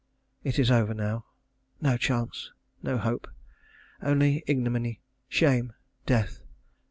It is over now. No chance no hope only ignominy, shame, death.